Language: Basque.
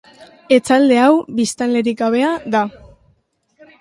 Etxalde hau biztanlerik gabea da.